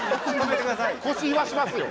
腰いわしますよ。